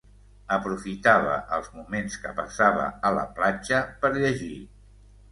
Aprofitava els moments que passava a la platja per llegir.